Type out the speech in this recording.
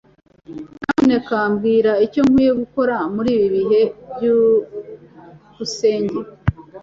Nyamuneka mbwira icyo nkwiye gukora muri ibi bihe. byukusenge